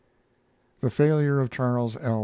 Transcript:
The failure of Charles L.